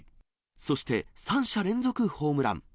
そして、３者連続ホームラン。